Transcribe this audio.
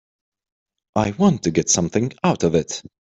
I want to get something out of it.